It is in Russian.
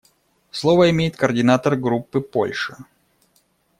Слово имеет координатор Группы − Польша.